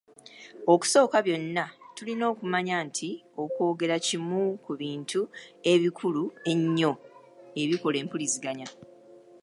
Okusooka byonna, tulina okumanya nti okwogera kimu ku bintu ebikulu ennyo ebikola empuliziganya.